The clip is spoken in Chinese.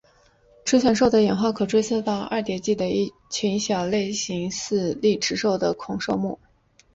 犬齿兽的演化可追溯到二叠纪的一群小型类似丽齿兽的兽孔目。